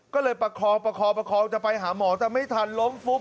ก็เลยประคอจะไปหาหมอแต่ไม่ทันล้มฟุบ